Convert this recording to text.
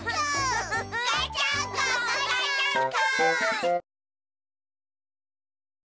ガチャンコガチャンコ！